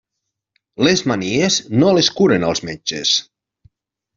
Les manies, no les curen els metges.